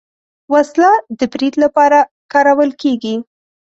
وسله د برید لپاره کارول کېږي